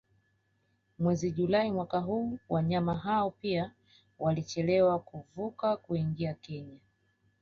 Mwezi Julai mwaka huu wanyama hao pia walichelewa kuvuka kuingia Kenya